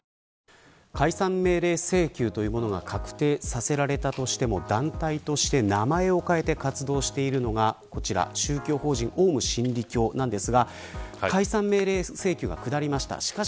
解散命令請求というものが確定させられたとしても団体として名前を変えて活動しているのがこちら宗教法人オウム真理教なんです。